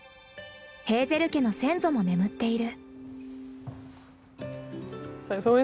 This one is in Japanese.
ヘーゼル家の先祖も眠っている。